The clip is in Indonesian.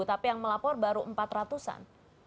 tapi yang melapor baru empat ratus an